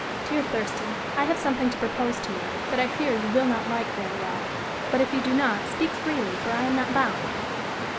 "Dear Thurston, I have something to propose to you, that I fear you will not like very well; but if you do not, speak freely; for I am not bound."